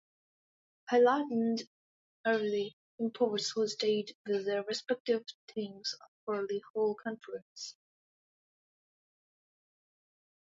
Highlighted are the imports who stayed with their respective teams for the whole conference.